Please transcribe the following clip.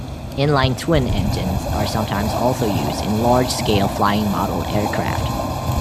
Inline-twin engines are sometimes also used in large scale flying model aircraft.